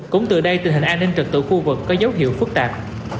cũng từ đây tình hình an ninh trật tự khu vực có dấu hiệu phức tạp